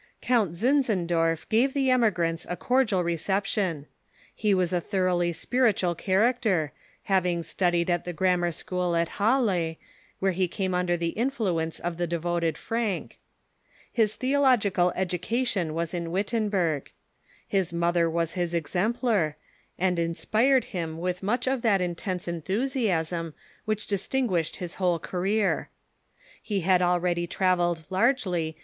Count Zinzendorf gave tbe emigrants a cordial reception. He was a tborougbly spiritual character, having studied at tbe grammar school at Halle, where be came under tbe influ ence of tbe devoted Francke. His theological education was THE MORAVIANS 327 in Wittenberg. His mother was his exemplar, and inspired him with much of that intense enthusiasm which distinguished . his whole career. He had already travelled larfjelv Zinzendorf , at •/ n •.